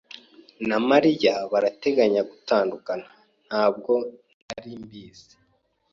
" na Mariya barateganya gutandukana." "Ntabwo nari mbizi."